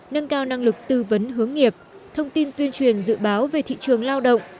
nâng cao năng lực tư vấn hướng nghiệp thông tin tuyên truyền dự báo về thị trường lao động